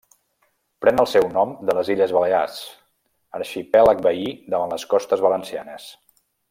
Pren el seu nom de les illes Balears, arxipèlag veí davant les costes valencianes.